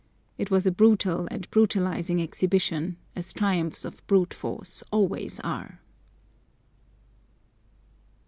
It was a brutal and brutalising exhibition, as triumphs of brute force always are.